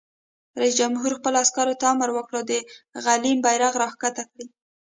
رئیس جمهور خپلو عسکرو ته امر وکړ؛ د غلیم بیرغ راکښته کړئ!